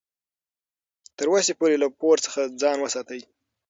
تر وسې پورې له پور څخه ځان وساتئ.